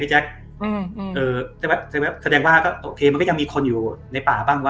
แจ๊คอืมเออใช่ไหมแสดงว่าก็โอเคมันก็ยังมีคนอยู่ในป่าบ้างวะ